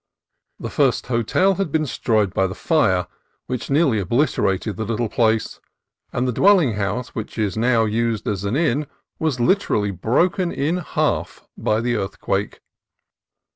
The first hotel 290 CALIFORNIA COAST TRAILS had been destroyed by the fire, which nearly obliter ated the little place, and the dwelling house which is now used as an inn was literally broken in half by the earthquake.